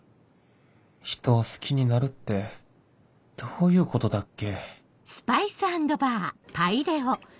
人を好きになるってどういうことだっけ？